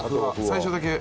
最初だけ。